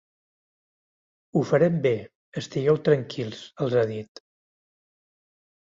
“Ho farem bé, estigueu tranquils”, els ha dit.